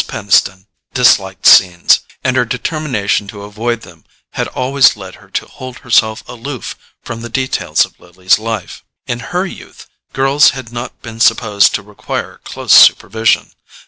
Peniston disliked scenes, and her determination to avoid them had always led her to hold herself aloof from the details of Lily's life. In her youth, girls had not been supposed to require close supervision.